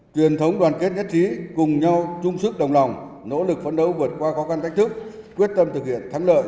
chúng tôi đồng lòng nỗ lực phấn đấu vượt qua khó khăn tách thức quyết tâm thực hiện thắng lợi